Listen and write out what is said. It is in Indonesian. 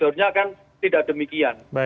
sebetulnya kan tidak demikian